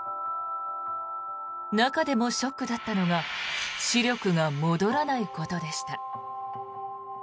中でもショックだったのが視力が戻らないことでした。